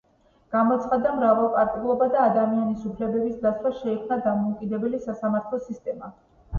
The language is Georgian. გამოცხადდა მრავალპარტიულობა და ადამიანის უფლებების დაცვა, შეიქმნა დამოუკიდებელი სასამართლო სისტემა.